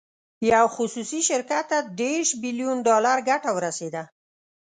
یو خصوصي شرکت ته دېرش بیلین ډالر ګټه ورسېده.